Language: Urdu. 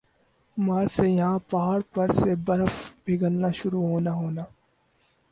مارچ سے یَہاں پہاڑ پر سے برف پگھلنا شروع ہونا ہونا